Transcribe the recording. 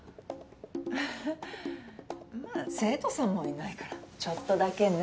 えっまあ生徒さんもいないからちょっとだけね。